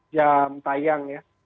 jam tayang ya